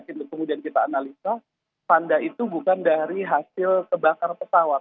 kemudian kita analisa tanda itu bukan dari hasil terbakar pesawat